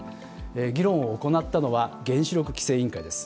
議論を行ったのは原子力規制委員会です。